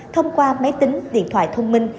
thông qua máy tính điện thoại thông minh